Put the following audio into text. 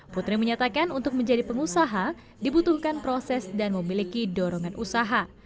putri menyatakan untuk menjadi pengusaha dibutuhkan proses dan memiliki dorongan usaha